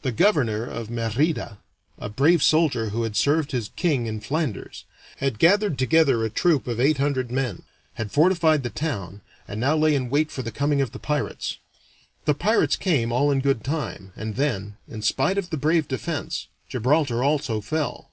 The governor of Merida, a brave soldier who had served his king in Flanders, had gathered together a troop of eight hundred men, had fortified the town, and now lay in wait for the coming of the pirates. The pirates came all in good time, and then, in spite of the brave defense, Gibraltar also fell.